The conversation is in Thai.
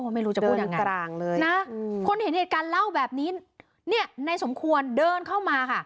ไม่รู้จะพูดอย่างไรนะคนเห็นเหตุการณ์เล่าแบบนี้นี่นายสมควรเดินเข้ามา